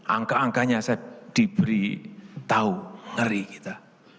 angka angkanya saya diberi tahu ngeri kita